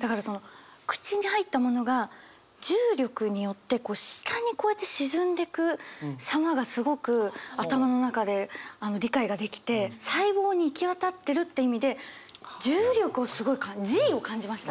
だからその口に入ったものが重力によって下にこうやって沈んでく様がすごく頭の中で理解ができて細胞に行き渡ってるって意味で重力をすごいＧを感じました！